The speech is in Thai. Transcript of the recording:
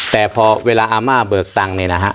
แต่พอเวลาอาม่าเบิกตังค์